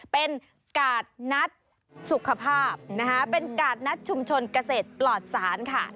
เป็นกาดนัดสุขภาพนะคะเป็นกาดนัดชุมชนเกษตรปลอดศาลค่ะ